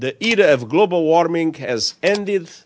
era pemanasan global sudah berakhir